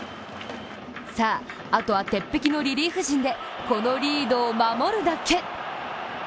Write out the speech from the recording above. あとは鉄壁のリリーフ陣でこのリードを守るだけ。